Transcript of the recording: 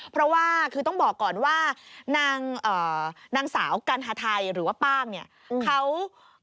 เพราะว่าต้องบอกก่อนว่านางสาวกัณฑฐัยหรือว่าป้าง